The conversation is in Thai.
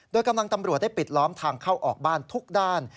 โดยกำลังตำรวจได้ปิดล้อมทางเข้าออกบ้านทุกด้าน